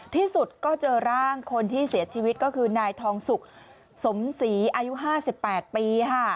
ที่สุดก็เจอร่างคนที่เสียชีวิตก็คือนายทองสุกสมศรีอายุ๕๘ปี